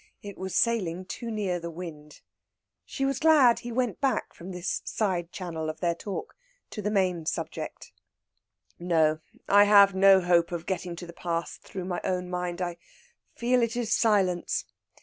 It was sailing too near the wind. She was glad he went back from this side channel of their talk to the main subject. "No, I have no hope of getting to the past through my own mind. I feel it is silence.